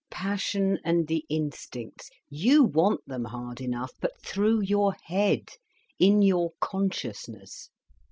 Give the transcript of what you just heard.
Passion and the instincts—you want them hard enough, but through your head, in your consciousness.